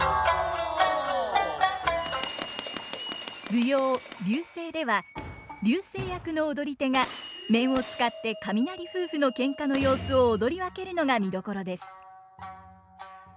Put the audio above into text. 舞踊「流星」では流星役の踊り手が面を使って雷夫婦のけんかの様子を踊り分けるのが見どころです。